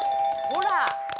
ほら！